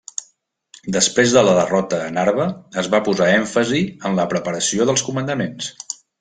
Després de la derrota a Narva, es va posar èmfasi en la preparació dels comandaments.